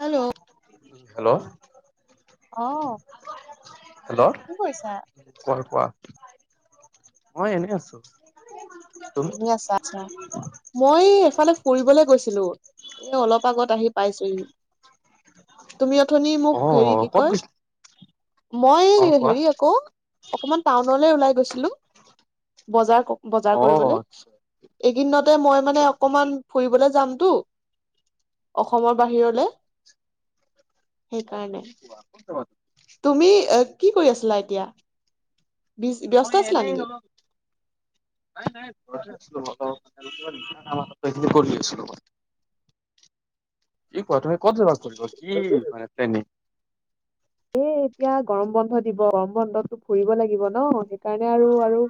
Hello. Hello. অ' কি কৰিছা? কৰ কোৱা, মই এনে আছোঁ। এনে আছা আচ্ছা। মই এফালে ফুৰিবলে গৈছিলোঁ, এ অলপ আগত আহি পাইছোহি। তুমি অথনি মোক অ হেৰি কি ক'ত কয় গৈছিলা মই অ কোৱা হেৰি আকৌ অকমান টাউনলৈ ওলাই গৈছিলো বজাৰ-বজাৰ অ কৰিবলৈ। আচ্ছা এইকদিনতে মই মানে অকমান ফুৰিবলে যামতো অসমৰ বাহিৰলে। অ সেইকাৰণে। তুমি এ কি কৰি আছিলা এতিয়া? বিজ ব্যস্ত মই আছিলা এনেই নেকি? অলপ। নাই নাই ঘৰতে আছোঁ অ' [unintelligible] ত' হিসিনি কৰি আছিলোঁ। কি ক তুমি ক'ত যাবা কৰিব কি মানে প্লেনি এ এতিয়া গৰম বন্ধ দিব গৰম বন্ধটো ফুৰিব লাগিব ন সেইকাৰণে আৰু আৰু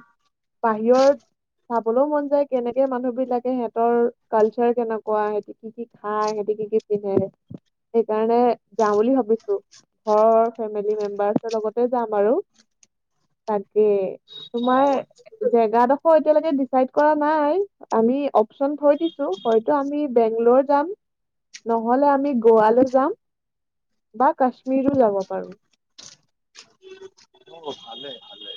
বাহিৰত চাবলৈও মন যায় কেনেকে মানুহ বিলাকে সিহঁতৰ কালচাৰ কেনেকুৱা সিহতি কি কি খায় সিহতি কি কি নেৰে সেইকাৰণে যাওঁ বুলি ভাবিছোঁ ঘৰৰ ফেমিলি মেম্বাৰ্চৰ লগতে যাম আৰু, তাকে। অ তোমাৰ জেগাডোখৰ এতিয়ালৈকে ডিচাইড কৰা নাই। আমি অপচন থৈ দিছো হয়তো আমি বেংলৰ যাম। নহ'লে আমি গোৱালৈ যাম, বা কাশ্মীৰো যাব পাৰোঁ। অ' ভালে ভালে।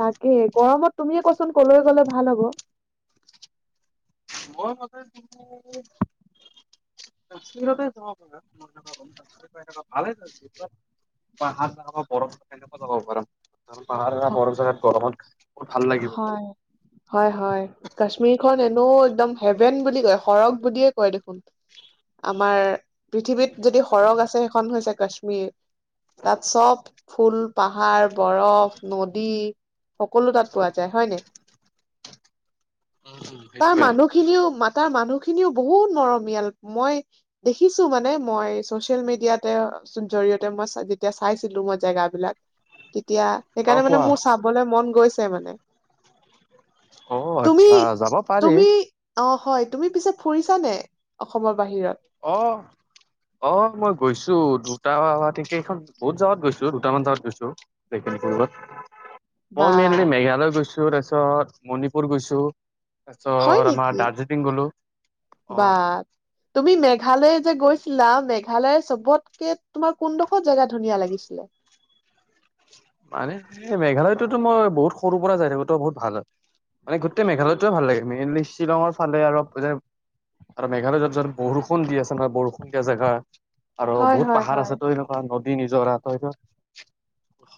তাকে গৰমত তুমিয়ে কোৱাচোন ক'লৈ গ'লে ভাল হ'ব। মোৰ মতে তুমি কাশ্মীৰতে যাব পাৰা [unintelligible] [unintelligible] ভালে [unintelligible] পাহাৰ [unintelligible] বৰফ তেনেকুৱা যাব পাৰা। আৰু পাহাৰ সেনা বৰফ জাগাত গৰমত বহুত ভাল লাগিব যায়। হয় হয় হয় কাশ্মীৰ খন এনেও একদম হেভেন বুলি কয় সৰগ বুলিয়ে কয় দেখ [unintelligible] আমাৰ পৃথিৱীত যদি উম সৰগ আছে খন হৈছে কাশ্মীৰ, তাত চব ফুল পাহাৰ বৰফ নদী। সকলো তাত পোৱা যায় হয় নাই। উম। তাৰ সেইটোৱে মানুহখিনিও মাতা মানুহখিনিও বহুত মৰমীয়াল মই দেখিছোঁ মানে মই ছ'চিয়েল মিডিয়াতে জৰিয়তে মই যেতিয়া চাইছিলোঁ মই জেগাবিলাক। তেতিয়া অ সেইকাৰণে মানে কোৱা মোৰ চাবলৈ মন গৈছে মানে। অ' তুমি আচ্ছা যাবা তুমি অ' হয় তুমি পিছে ফুৰিছানে অসমৰ বাহিৰত? অ'। অ' মই গৈছোঁ দুটা তেকেইখন বহুত জাগাত গৈছোঁ দুটামান জাগাত গৈছোঁ। [unintelligible] বা মই মেইনলি মেঘালয় গৈছোঁ তাৰপিছত মণিপুৰ গৈছোঁ। হয় তাৰপিছত আমাৰ নেকি দাৰ্জিলিং গ'লো, বা অ'। তুমি মেঘালয় যে গৈছিলা মেঘালয় চবতকে তোমাৰ কোনডোখৰ জেগা ধুনীয়া লাগিছিলে? মানে এই মেঘালয়তোতো মই বহুত সৰু পৰা যাই থাকোঁ ত' বহুত ভাল হয়। মানে গোটেই মেঘালয়টোৱে ভাল লাগে মেইনলি শ্বিলঙৰ ফালে [unintelligible] আৰু মেঘালয়ত য'ত য'ত বৰষুণ দি আছে নহয় বৰষুণ দিয়া জেগা। আৰু হয় বহুত হয় পাহাৰ হয় আছে ত' এনেকুৱা নদী নিজৰ ত' সেইটো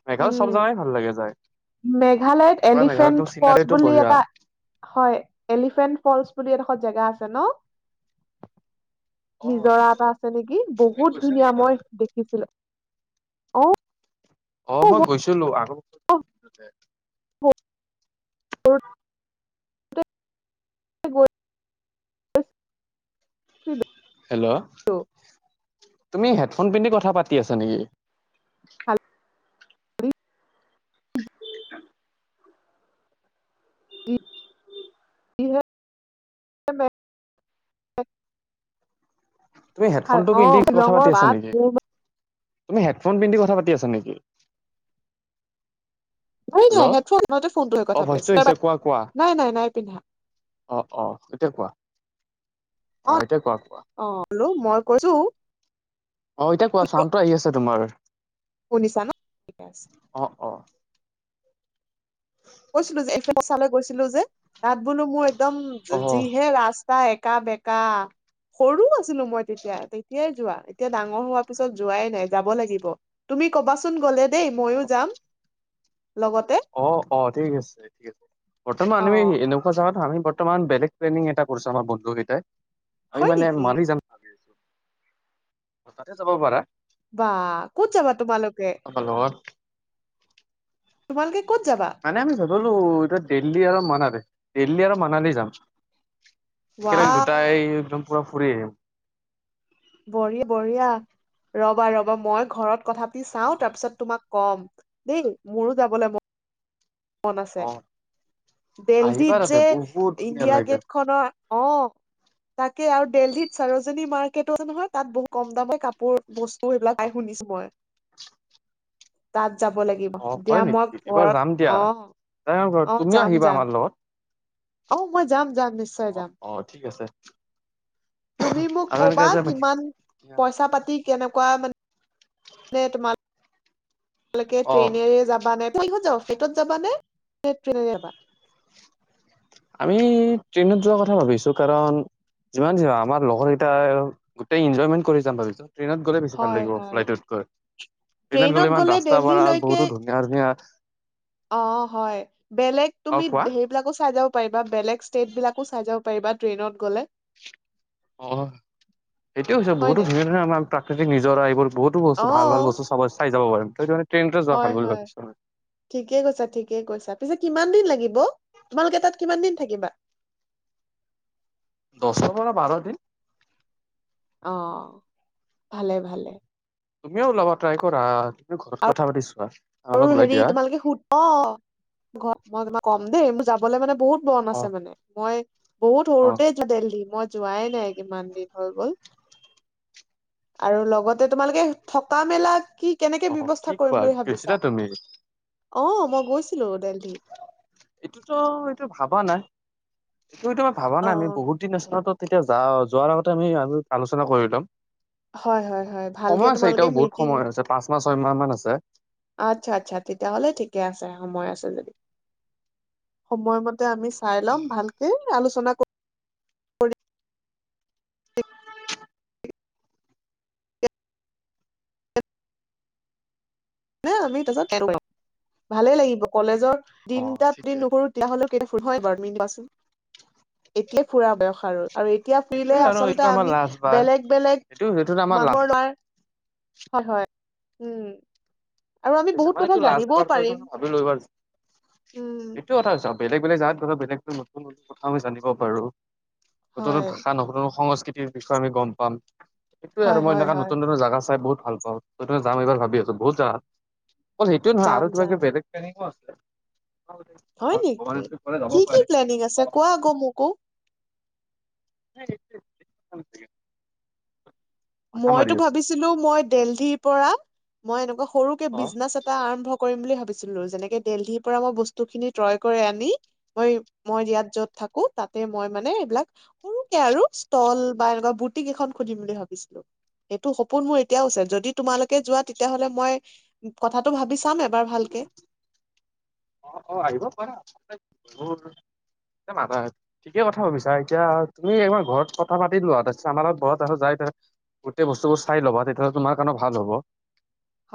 মেঘালয় চব উম, জেগাই ভাল লাগে যায় মেঘালয়ত পুৰা মেঘালয়তো এলিফেণ্ট ফলচ চিনাৰীটো বুলি বঢ়িয়া এটা হয় এলিফেন্ট ফলচ বুলি এডোখৰ জেগা আছে ন'। অ নিজৰা এটা আছে নেকি তুমি বহুত গৈছা ধুনীয়া নেকি তাতে? মই দেখিছিলোঁ, অ'। অ' মই গৈছিলোঁ আগ [inaudible] [unintelligible] গৈছিলো হেল্ল', তুমি হেডফোন পিন্ধি কথা পাতি আছা নেকি। [unintelligible] [unintelligible] তুমি অ হেডফোনটো পিন্ধি কথা শ্বিলঙৰ পাতি আছা বাপ নেকি? মোৰ তুমি হেডফোন পিন্ধি কথা পাতি আছা নেকি? নাই নাই হেল্ল' হেডফোন অ ভইচটো আহিছে [unintelligible] কোৱা কোৱা নাই নাই নাই পিন্ধা। অ', অ', এতিয়া কোৱা। অ' এতিয়া কোৱা কোৱা। অ' [unintelligible] মই কৈছোঁ। অ' এতিয়া কোৱা চাউণ্ডটো আহি আছে তোমাৰ। শুনিছানা [unintelligible] অ', অ'। কৈছিলোঁ যে [unintelligible] গৈছিলোঁ যে তাত বোলো মোৰ একদম অ যিহে ৰাজ একা বেঁকা। সৰুও আছিলোঁ মই তেতিয়া তেতিয়াই যোৱা এতিয়া ডাঙৰ হোৱাৰ পিছত যোৱাই নাই যাব লাগিব। তুমি ক'বাচোন গ'লে দেই ময়ো যাম, লগতে। অ', অ', ঠিক আছে দিয়া ঠিক আছে বৰ্তমান অ [unintelligible] এনেক [unintelligible] আমি বৰ্তমান বেলেগ প্লেনিং এটা কৰিছোঁ আমাৰ বন্ধুকেইটাই, আমি হয় মানে নেকি মালি যাম। তাতে যাব পাৰা। বাহ, ক'ত যাবা তোমালোকে? [inaudible] তোমালোকে ক'ত যাবা? মানে আমি [unintelligible] এতিয়া দিল্লী আৰু মনালি, দিল্লী আৰু মানালি যাম। একবাৰে ৱাও দুটাই একদম পুৰা ফুৰি আহিম। বঢ়ি-বঢিয়া। ৰ'বা, ৰ'বা মই ঘৰত কথাাপাতি চাওঁ, তাৰপিছত তোমাক কম দেই, মোৰো যাবলৈ মন মন আছে, অ আহিবা দেলহিত তাতে যে বহুত ধুনীয়া ইণ্ডিয়া লাগে গেটখনৰ অ' তাকে আৰু দেলহিত চাৰ'জনী মাৰ্কেটো [unintelligible] নহয়, তাত বহুত কম দামে কাপোৰ বস্তু [unintelligible] অ পাই শুনিছোঁ মই। তাত যাব লাগিব, অ হয় দিয়া মই নেকি এইবাৰ ঘৰত যাম দিয়া অ', অ', তুমিও যাম, আহিবা যাম। আমাৰ লগত অ', মই যাম, যাম নিশ্চয় অ যাম। অ', ঠিক আছে। তুমি মোক আৰু এনেকে ক'বা, যে কিমান পইচা পাতি কেনেকুৱা মানে [unintelligible] তোমাৰ লোকে অ ট্ৰেইনেৰে যাবা নে, কিহত যাবা? ফ্লাইটত যাবা নে ট্ৰেইনেৰে যাবা? আমি ট্ৰেইনত যোৱাৰ কথা ভাবিছোঁ কাৰণ যিমান যি আমাৰ লগৰকিটাই গোটেই এনজয়মেন্ট কৰি যাম ভাবিছোঁ। ট্ৰেইনত গ'লে বেছি ভাল হয় লাগিব হয় ফ্লাইটতকৈ, ট্ৰেইনত গ'লে ইমান ৰাস্তা [unintelligible] বহুতো ধুনীয়া [inaudible] অ', হয়, বেলেগ অ তুমি কোৱা হেৰি বিলাকো চাই যাব পাৰিবা, বেলেগ ষ্টেট বিলাকো চাই যাব পাৰা ট্ৰেইনত গ'লে। অ', সেইটোৱে হৈছে হয় বহুতো নাই ধুনীয়া, ধুনীয়া আমাৰ প্ৰাকৃতিক নিজৰা এইবোৰ বহুতো অ বস্তু ভাল, ভাল বস্তু চ-চাই যাব পাৰিম [unintelligible] ভাল হয়, বুলি হয়, ভাবিছো মই। ঠিকে কৈছা, ঠিকে কৈছা। পিছে কিমান দিন লাগি ব তোমালোকে তাত কিমান দিন থাকিবা? দছৰ পৰা বাৰ দিন। অ', ভালে, ভালে। তুমিও ওলাবা ট্ৰাই কৰা, তুমি ঘৰত কথা পাতি চোৱা। অলপ অ', ওলাই হেৰি দিয়া তোমালোকে [unintelligible] অ', ঘৰত মই তোমাক কম দেই। মোৰ যাবলৈ মানে বহুত মন অ আছে মানে, মই বহুত অ সৰুতেই দেলহি মই যোৱাই নাই কিমান দিন হৈ গ'ল। আৰু লগতে তোমালোকে থকা মেলা কি কেনেকে অ কি ব্যৱস্থা খোৱা কৰিম বুলি গৈছিলা ভাবিছা? তুমি অ', মই গৈছিলো দেলহি। এইটোতো, এইটো ভবা নাই [unintelligible] এইটো বা নাই আমি বহুত অ', বহুত দিন আছে নহয়, তেতিয়া যাও যোৱাৰ আগতে আমি আলোচনা কৰি ল'ম। হয়, হয়, হয়, ভালকে সময় আছে তোমালোকে এতিয়াও বহুত মিটিং সময় আছে, পাঁচ মাহ ছয় মাহ মান আছে। আচ্ছা, আচ্ছা তেতিয়াহ'লে ঠিকে আছে সময় আছে তে। সময় মতে আমি চাই ল'ম ভালকে আলোচনা কৰি [unintelligible] ভালেই লাগিব কলেজৰ অ দিনকিটা ফূৰ্তি ঠিকে। নকৰোঁ তেতিয়া হ'লেও কেতিয়া ফুৰিম হয়, বাৰু তুমি কোৱাচোন? এতিয়া ফুৰা বয়স আৰু, আৰু এতিয়া ফুৰিলে সেইটোয়ে আৰু আচলতে এইটোতো আমাৰ আমি লাষ্ট বাৰ বেলেগ, বেলেগ এইটো সেইটোতো আমাৰ লাষ্ট মানুহৰ [unintelligible] হয়, হয়, উম। আৰু আমি বহুত কথা কিছুমানেটো জানিবও লাষ্টবাৰ পাৰিম, ভাবি লয় উম, এইবাৰ যাম, [unintelligible] বেলেগ, বেলেগ জাগাত ধৰা বেলেগ নতুন, নতুন কথা আমি জানিব পাৰোঁ নতুন হয়। ভাষা, নতুন সংস্কৃতি বিষয়ে আমি গম পাম, এইটোয়ে হয়, আৰু মই হয়, এনেকা হয়। নতুন, নতুন জাগা চাই বহুত ভালপাওঁ। ত' তুমি যাম এইবাৰ ভাবি আছোঁ বহুত জাগা, অকল সেইটোয়ে নহয় যাম, আৰু তোমাৰ যাম। কিবা কিবি বেলেগ প্লেনিংও আছে। হয় ভগৱানে নেকি? যদি কৰে যাব কি, কি পাৰে প্লেনিং আছে অ কোৱা আকৌ মোকো? [inaudible] মাথা মাৰি মইতো আছো ভাবিছিলোঁ, মই দেলহিৰ পৰা মই এনেকুৱা সৰুকে অ বিজনেছ এটা টা আৰম্ভ কৰিম বুলি ভাবিছিলো যেনেকে দেল্লীৰ পৰা মই বস্তু খিনি ক্ৰয় কৰি আনি মই মই ইয়াত যত থাকো তাতে মই মানে এইবিলাক সৰুকে আৰু ষ্টল বা এনেকুৱা বুটিক এখন খুলিম বুলি ভাবিছো এইটো সপোন মোৰ এতিয়াও আছে যদি তোমালোকে যোৱা তেতিয়াহলে মই কথাটো ভাবি চাম এবাৰ এবাৰ ভালকে অ অ আহিব পাৰা। [unintelligible] ঠিকে কথা ভাবিছা এতিয়া তুমি একবাৰ ঘৰত কথা পাতি লোৱা আমাৰ লগত ঘৰত আৰু যাই গোটেই বস্তুবোৰ চাই লব দে তেতিয়াহ'লে তোমাৰ কাৰণে ভাল হ'ব।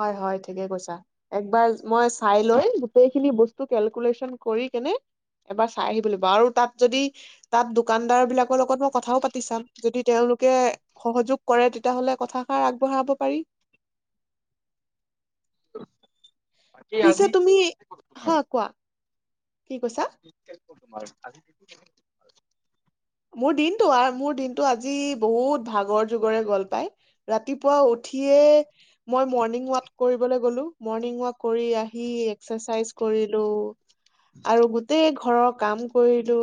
হয় হয় ঠিকে কৈছা। একবাৰ মই চাই লৈ গোটেইখিনি বস্তু কেলকুলেচন কৰি কেনে এবাৰ চাই আহিব লাগিব আৰু তাত যদি তাত দোকানদাৰ বিলাকৰ লগত ম কথাও পাতি চাম যদি তেওঁওলোকে সহযোগ কৰে তেতিয়াহলে কথাষাৰ আগবঢ়াব পাৰি বাকী পিছে আজি তুমি, তোমাৰ হা কোৱা কি কৈছা? কেনেকুৱা তোমাৰ আজিৰ দিনটো মোৰ দিনটো আ মোৰ দিনটো আজি বহুত ভাগৰ যুগৰে গল পায় ৰাতিপুৱা উঠিয়ে মই মৰ্ণিং ৱাক কৰিবলৈ গ'লো মৰ্ণিং ৱাক কৰি আহি এক্সাৰচাইজ কৰিলো আৰু গোটেই ঘ ঘৰৰ কাম কৰিলো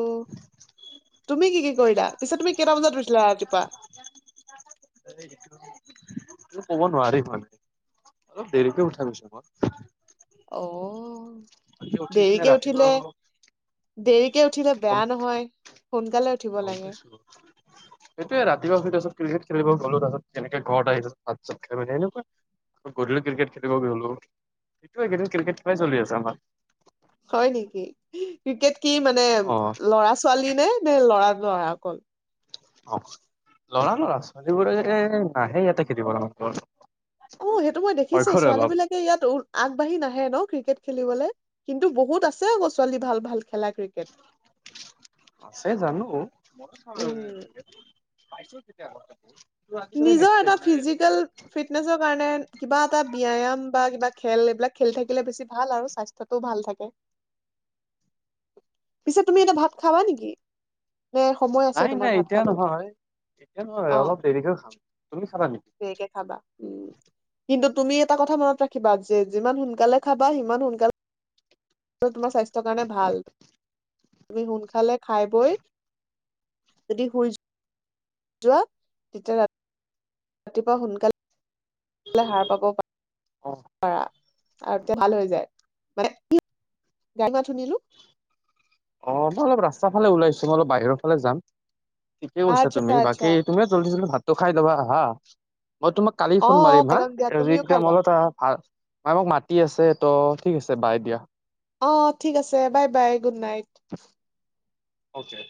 তুমি কি কি কৰিলা পিছে তুমি কেইটা বজাত উঠিলা ৰাতিপুৱা কব নোৱাৰি মানে অলপ দেৰিকে উঠাই গৈছ মই অ বাকী উঠি পিনে দেৰিকে উঠিলে ৰাতিপুৱা দেৰিকে উঠিলে গম বেয়া নহয় সোনকালে উঠিব লাগে সেইটোৱে ৰাতিপুৱা উঠা পিছত ক্ৰিকেট খেলিব গ'লো তাৰপিছত সেনেকে ঘৰত আহিলো ভাত সাত খাই এনেকুৱা অ গধূলি ক্ৰিকেট খেলিব গ'লো দিনটো এই কেইদিন ক্ৰিকেট খেলাই চলি আছে আমাৰ হয় নেকি ক্ৰিকেট কি মানে অ লৰা ছোৱালী নে? নে লৰা লৰা অকল অ লৰা লৰা ছোৱালীবোৰে নাহে ইয়াতে খেলিবলৈ অ সেইটো মই দেখিছো ছোৱালী বিলাকে ইয়াত আগবাঢ়ি নাহে ন ক্ৰিকেট খেলিবলৈ কিন্তু বহুত আছে আকৌ ছোৱালী ভাল ভাল খেলা ক্ৰিকেট আছে জানো উম, নিজৰ এটা ফিজিকেল ফিটনেচৰ কাৰণে কিবা এটা ব্যায়াম বা কিবা খেল এইবিলাক খেলি থাকিলে বেছি ভাল আৰু স্বাস্থ্য টো ভাল থাকে। পিছে তুমি এটা ভাত খাবা নেকি? নে সময় আছে নাই তোমাৰ নাই ভাত এতিয়া খাবলৈ নহয় এতিয়া নহয় অ অলপ দেৰিকৈ খাম। তুমি খাবা নেকি? দেৰিকে খাবা কিন্তু তুমি এটা কথা মনত ৰাখিবা যি যিমান সোনকালে খাবা সিমান সোনকালে তোমাৰ স্বাস্থ্যৰ কাৰণে ভাল তুমি সোনকালে খাই বৈ যদি শুই যো যোৱা তেতিয়া ৰাতি ৰাতিপুৱা সোনকালে সাৰ পাব পাৰা অ পাৰা আৰু তেতিয়া ভাল হৈ যায় মানে গাড়ী মাত শুনিলো অ মই অলপ ৰাস্তা ফালে ওলাইছো মই অলপ বাহিৰৰ ফালে যাম ঠিকে কৈছা আচ্ছা তুমি আচ্ছা বাকী তুমিও জল্দি জল্দি ভাতটো খাই লোৱা হা মই তোমাক কালি অ ফোন অ মাৰিম হা কাইলৈ দিয়া তুমিও খাই হাজিয়া লোৱা মলত [unintelligible] ভাল মাই মোক মাতি আছে তো ঠিক আছে বাই দিয়া অ অ ঠিক আছে bye bye good night okay